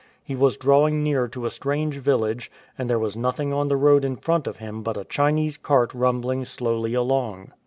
He was drawing near to a strange village, and there was nothing on the road in front of him but a Chinese cart rumbling slowly along.